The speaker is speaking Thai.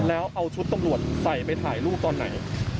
แล้วเอาชุดตำรวจใส่ไปถ่ายรูปตอนไหน